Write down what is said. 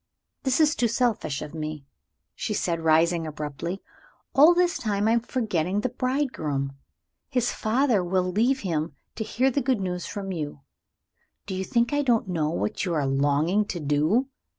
"This is too selfish of me," she said, rising abruptly. "All this time I am forgetting the bridegroom. His father will leave him to hear the good news from you. Do you think I don't know what you are longing to do?"